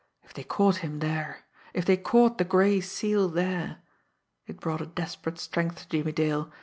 If they caught him there! If they caught the Gray Seal there! It brought a desperate strength to Jimmie Dale.